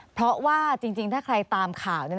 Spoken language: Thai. เพราะว่าจริงถ้าใครตามข่าว